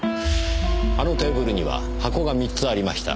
あのテーブルには箱が三つありました。